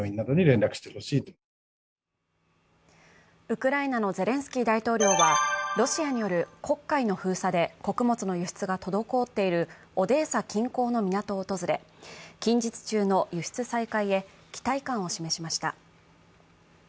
ウクライナのゼレンスキー大統領はロシアによる黒海の封鎖で穀物の輸出が滞っているオデーサ近郊の港を訪れ、近日中の輸出再開へ期待感を示しました。